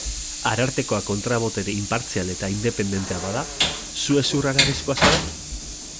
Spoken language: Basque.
Arartekoa kontra-botere inpartzial eta independentea bada, zu hezur-haragizkoa zara?